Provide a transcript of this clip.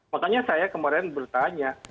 makanya saya kemarin bertanya